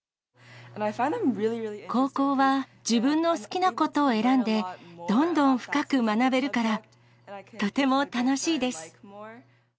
高校は自分の好きなことを選んでどんどん深く学べるから、とても楽しいです。